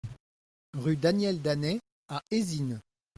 Rue Daniel Danet à Eysines